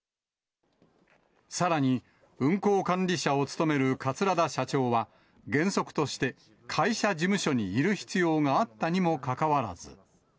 さらに、運航管理者を務める桂田社長は、原則として会社事務所にいる必要があったにもかかわらず。